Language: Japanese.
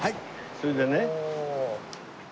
それでね。